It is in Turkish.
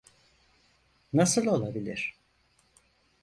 Nasıl olabilir?